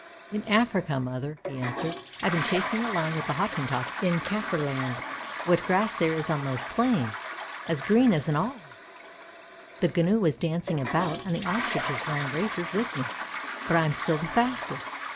" In Africa, mother! " he answered. " I have been chasing the lion with the Hottentots in Kamrland ! What grass there is on those plains! as green as an olive. The gnu was dancing about, and the ostriches ran races with me, but I am still the fastest.